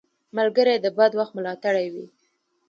ملګری د بد وخت ملاتړی وي